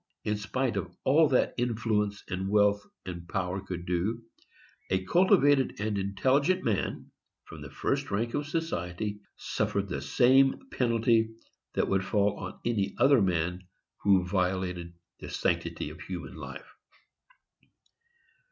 In spite of all that influence and wealth and power could do, a cultivated and intelligent man, from the first rank of society, suffered the same penalty that would fall on any other man who violated the sanctity of human life.